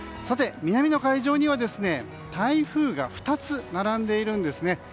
南の海上には台風が２つ並んでいるんですね。